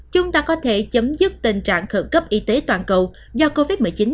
chúng ta có thể chấm dứt tình trạng khẩn cấp y tế toàn cầu do covid một mươi chín